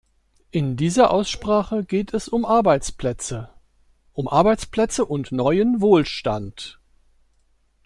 In dieser Aussprache geht es um Arbeitsplätze, um Arbeitsplätze und neuen Wohlstand.